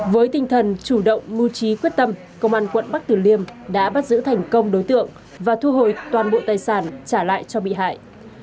với tinh thần chủ động mưu trí quyết tâm công an quận bắc tử liêm đã bắt giữ thành công đối tượng và thu hồi toàn bộ tài sản trả lại cho bị hại